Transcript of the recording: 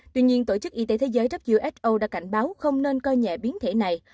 tuy nhiên tổ chức y tế thế giới who đã cảnh báo không nên coi nhẹ biến thể này